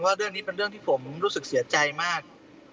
เรื่องนี้เป็นเรื่องที่ผมรู้สึกเสียใจมาก